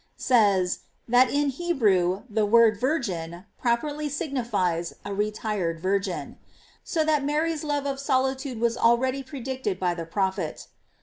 — says, that in He* brew the word virgin properly signifies a retired virgin; so that Mary's love of solitude was al ready predicted by the prophet.